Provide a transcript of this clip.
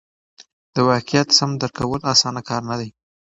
د واقعیت سم درک کول اسانه کار نه دی.